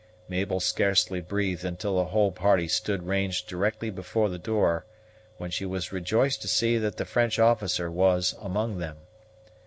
Mabel scarcely breathed until the whole party stood ranged directly before the door, when she was rejoiced to see that the French officer was among them.